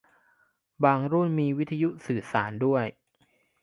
บางรุ่นมีวิทยุสื่อสารด้วย